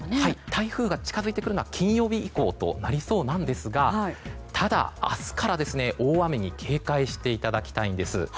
台風が近づいてくるのは金曜日以降となりそうなんですがただ、明日から大雨に警戒していただきたいんです。